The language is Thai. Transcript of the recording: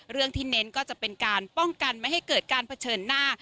เรื่องที่เน้นก็จะเป็นการป้องกันไม่ให้เกิดการเผชิญหน้า